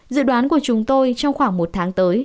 dự đoán của chúng tôi trong khoảng một tháng tới